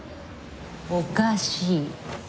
おかしい。